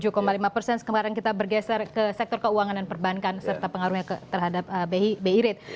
judgmentnya di tujuh lima persen sekarang kita bergeser ke sektor keuangan dan perbankan serta pengaruhnya terhadap bi rate